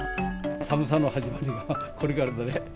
寒さの始まりがこれからだね。